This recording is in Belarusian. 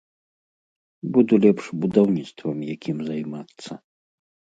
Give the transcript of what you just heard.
Буду лепш будаўніцтвам якім займацца!